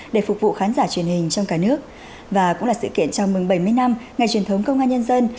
để phục vụ khán giả truyền hình trong cả nước và cũng là sự kiện chào mừng bảy mươi năm ngày truyền thống công an nhân dân